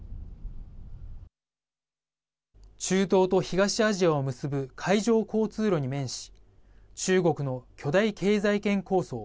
中東と東アジアを結ぶ海上交通路に面し中国の巨大経済圏構想